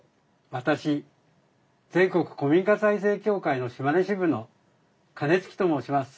私全国古民家再生協会の島根支部の金築と申します。